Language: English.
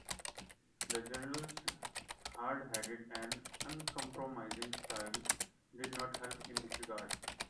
The General's hard-headed and uncompromising style did not help in this regard.